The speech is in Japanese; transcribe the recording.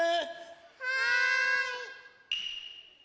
・はい！